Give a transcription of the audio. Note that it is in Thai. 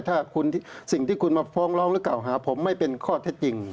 ถ้าคุณสิ่งที่คุณมาฟ้องร้องหรือเก่าหาผมไม่เป็นข้อเท็จจริง